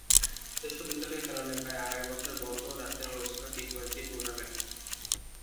এসব বিতর্কের কারণে প্রায় আড়াই বছর বন্ধও রাখতে হয়েছিল টি-টোয়েন্টি টুর্নামেন্টটি।